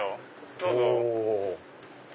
どうぞ。